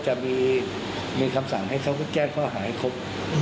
จะมีคำสั่งให้เขาแจ้งข้อหาให้ครบ